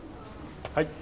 はい。